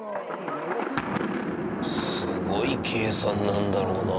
すごい計算なんだろうな。